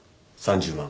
３０万。